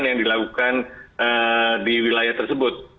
yang dilakukan di wilayah tersebut